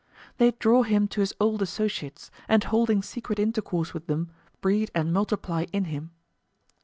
They draw him to his old associates, and holding secret intercourse with them, breed and multiply in him.